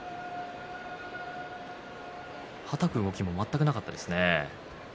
はたく動きも全くなかったですね。